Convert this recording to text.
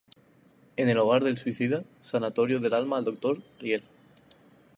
En el Hogar del Suicida, sanatorio de almas del doctor Ariel.